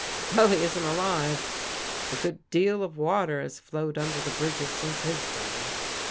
Well, he isn't alive. A good deal of water has flowed under the bridges since his day.